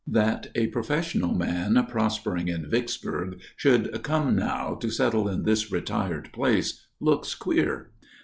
That a professional man prospering in Vicksburg should come now to settle in this retired place looks queer.